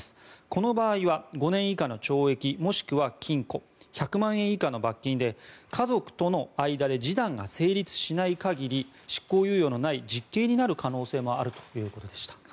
この場合は５年以下の懲役もしくは禁錮１００万円以下の罰金で家族との間で示談が成立しない限り執行猶予のない実刑になる可能性もあるということです。